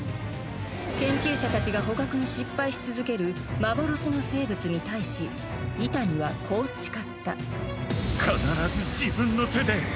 研究者たちが捕獲に失敗し続ける幻の生物に対し伊谷はこう誓った。